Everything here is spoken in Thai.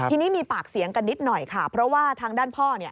ทีนี้มีปากเสียงกันนิดหน่อยค่ะเพราะว่าทางด้านพ่อเนี่ย